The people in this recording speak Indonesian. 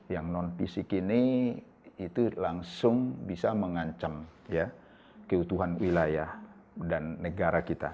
yang non fisik ini itu langsung bisa mengancam keutuhan wilayah dan negara kita